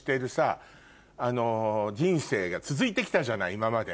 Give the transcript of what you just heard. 今まで。